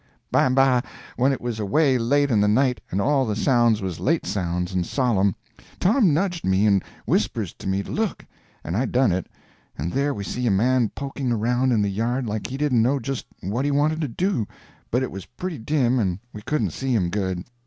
By and by, when it was away late in the night and all the sounds was late sounds and solemn, Tom nudged me and whispers to me to look, and I done it, and there we see a man poking around in the yard like he didn't know just what he wanted to do, but it was pretty dim and we couldn't see him good.